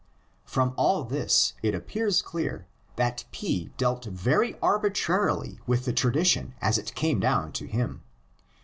From all of this it appears clear that P dealt very arbitrarily with the tradition as it came down to him.